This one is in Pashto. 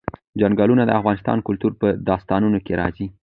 چنګلونه د افغان کلتور په داستانونو کې راځي.